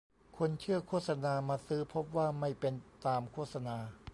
คนเชื่อโฆษณามาซื้อ พบว่าไม่เป็นตามโฆษณา